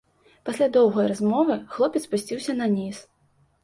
Пасля доўгай размовы хлопец спусціўся наніз.